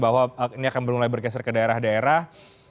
bahwa ini akan mulai bergeser ke daerah daerah